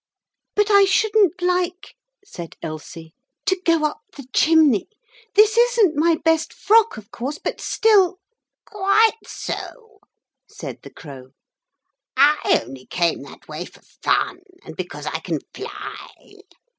'But I shouldn't like,' said Elsie, 'to go up the chimney. This isn't my best frock, of course, but still....' 'Quite so,' said the Crow. 'I only came that way for fun, and because I can fly.